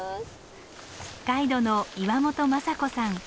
ガイドの岩本昌子さん。